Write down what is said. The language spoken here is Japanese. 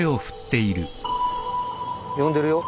呼んでるよ。